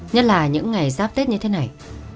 nhất là những ngày giáp tiết như thế này